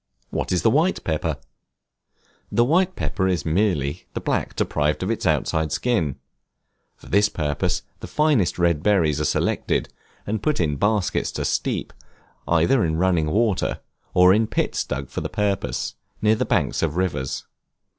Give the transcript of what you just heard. What is the White Pepper? The white pepper is merely the black deprived of its outside skin. For this purpose the finest red berries are selected, and put in baskets to steep, either in running water, or in pits dug for the purpose, near the banks of rivers.